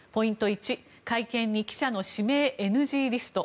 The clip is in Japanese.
１会見に記者の指名ＮＧリスト。